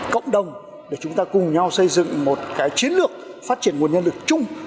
cộng đồng để chúng ta cùng nhau xây dựng một cái chiến lược phát triển nguồn nhân lực chung